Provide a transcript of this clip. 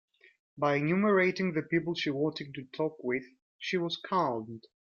By enumerating the people she wanted to talk with, she was calmed.